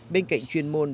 bên cạnh chuyên môn